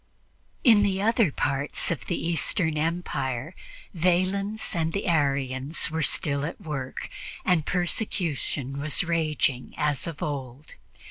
In the other parts of the Eastern empire Valens and the Arians were still at work, and persecution was raging as of old.